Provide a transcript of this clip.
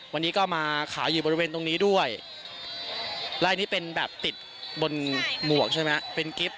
วันนี้ก็มาขายอยู่บริเวณตรงนี้ด้วยไล่นี้เป็นแบบติดบนหมวกใช่ไหมเป็นกิ๊บ